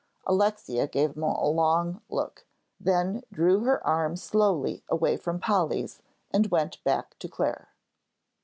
Alexia gave him a long look, then drew her arm slowly away from Polly's and went back to Clare.